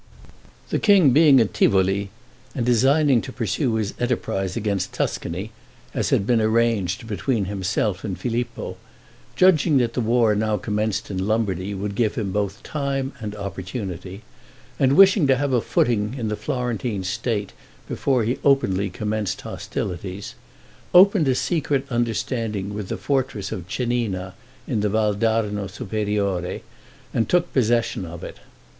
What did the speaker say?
The king being at Tivoli, and designing to pursue his enterprise against Tuscany, as had been arranged between himself and Filippo, judging that the war now commenced in Lombardy would give him both time and opportunity, and wishing to have a footing in the Florentine state before he openly commenced hostilities, opened a secret understanding with the fortress of Cennina, in the Val d'Arno Superiore, and took possession of it.